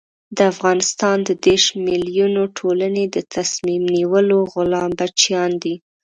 د افغانستان د دېرش ملیوني ټولنې د تصمیم نیولو غلام بچیان دي.